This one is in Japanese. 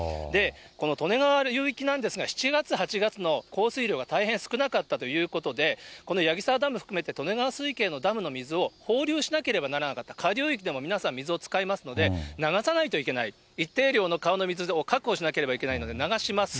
この利根川流域なんですが、７月、８月の降水量が大変少なかったということで、この矢木沢ダム含めて利根川水系のダムの水を放流しなければならなかった、下流域でも皆さん、水を使いますので、流さないといけない、一定量の川の水を確保しなければいけないので流します。